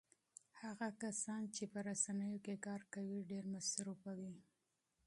هغه کسان چې په رسنیو کې کار کوي ډېر مصروف وي.